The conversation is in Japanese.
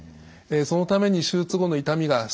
そのために手術後の痛みが少ない。